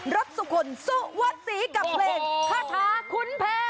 รสสุขุนสุวสีกับเพลงฮาชาขุนเพ